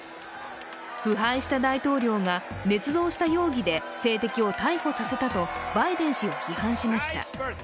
腐敗した大統領がねつ造た容疑で政敵を逮捕させたとバイデン氏を批判しました。